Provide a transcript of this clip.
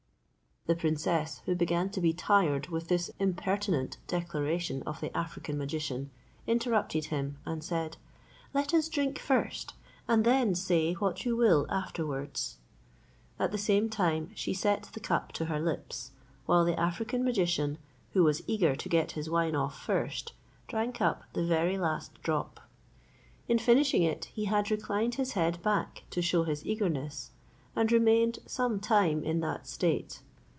The princess, who began to be tired with this impertinent declaration of the African magician, interrupted him, and said, "Let us drink first, and then say what you will afterwards;" at the same time she set the cup to her lips, while the African magician, who was eager to get his wine off first, drank up the very last drop. In finishing it, he had reclined his head back to shew his eagerness, and remained some time in that state.